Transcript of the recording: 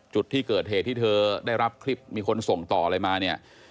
จุดที่เกิดเหตุที่เธอได้รับคลิปมีคนส่งต่ออะไรมาเนี่ย